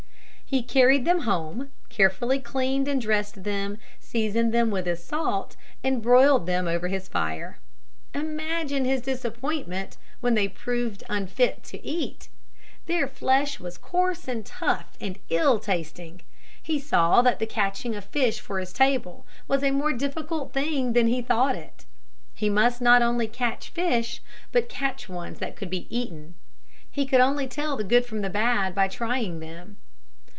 He carried them home, carefully cleaned and dressed them, seasoned them with his salt, and broiled them over his fire. Imagine his disappointment when they proved unfit to eat. Their flesh was coarse and tough and ill tasting. He saw that the catching of fish for his table was a more difficult thing than he thought it. He must not only catch fish, but catch ones that could be eaten. He could only tell the good from the bad by trying them.